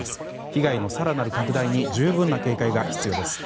被害の更なる拡大に十分な警戒が必要です。